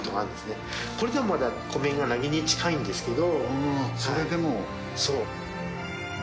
これでもまだ湖面が凪に近いんですけど。